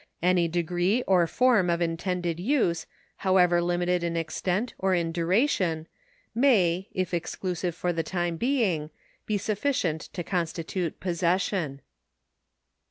Any degree or form of intended use, how ever limited in extent or in duration, may, if exclusive for the time being, be sufficient to constitute possession.